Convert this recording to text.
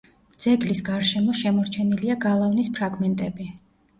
ძეგლის გარშემო შემორჩენილია გალავნის ფრაგმენტი.